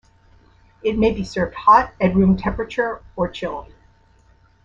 It may be served hot, at room temperature or chilled.